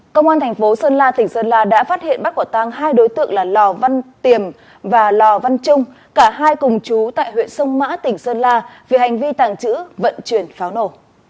công an thành phố sơn la tỉnh sơn la đã phát hiện bắt quả tăng hai đối tượng là lò văn tiềm và lò văn trung cả hai cùng chú tại huyện sông mã tỉnh sơn la vì hành vi tàng trữ vận chuyển pháo nổ